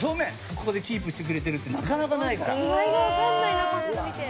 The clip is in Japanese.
ここでキープしてくれてるってなかなかないから。